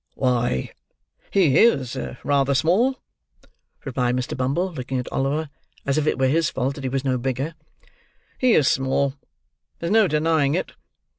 "Why, he is rather small," replied Mr. Bumble: looking at Oliver as if it were his fault that he was no bigger; "he is small. There's no denying it.